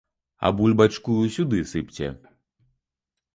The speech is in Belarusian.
А бульбачку сюды сыпце!